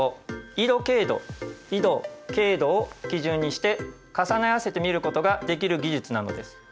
緯度緯度経度を基準にして重ね合わせて見ることができる技術なのです。